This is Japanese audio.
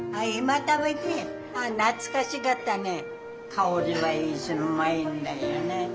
香りはいいしうまいんだよね。